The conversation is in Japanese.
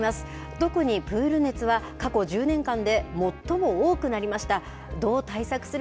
特にプール熱は、過去１０年間で最も多くなりました。